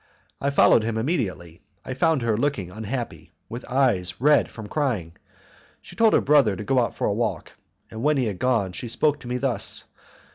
I followed him immediately. I found her looking unhappy and with eyes red from crying. She told her brother to go out for a walk, and when he had gone she spoke to me thus: "M.